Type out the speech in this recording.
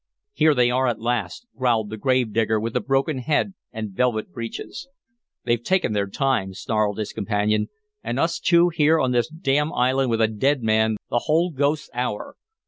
"Here they are at last," growled the gravedigger with the broken head and velvet breeches. "They've taken their time," snarled his companion, "and us two here on this d d island with a dead man the whole ghost's hour.